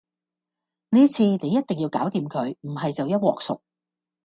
呢次你一定要搞掂佢，唔係就一鑊熟